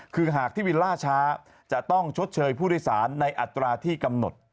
คือหากที่วิลล่าช้าจะต้องชดเชยผู้โดยสารในอัตราที่กำหนด